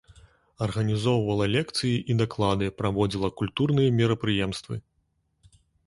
Арганізоўвала лекцыі і даклады, праводзіла культурныя мерапрыемствы.